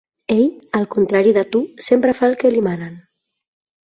Ell, al contrari de tu, sempre fa el que li manen.